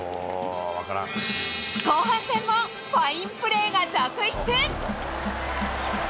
後半戦もファインプレーが続出。